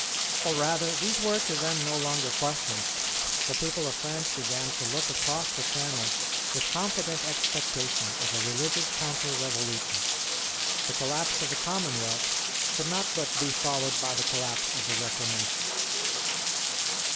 Or rather, these were to them no longer questions: the people of France began to look across the Channel with confident expectation of a religious counter revolution. The collapse of the Commonwealth could not but be followed by the collapse of the Reformation.